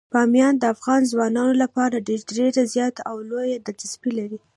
بامیان د افغان ځوانانو لپاره ډیره زیاته او لویه دلچسپي لري.